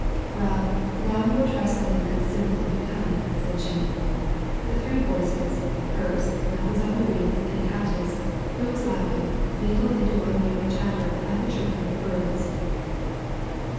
" Well, now we will try something that is simple and becom ing," said she. The three voices, lier's. Mile. Bourienue's, and Katya's, who was laughing, mingled into one merry chatter, like the chirping of birds.